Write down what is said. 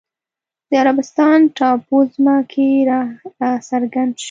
د عربستان ټاپووزمه کې راڅرګند شو